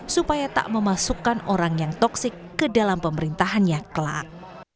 supaya tak memasukkan orang yang toxic ke dalam pemerintahannya kelak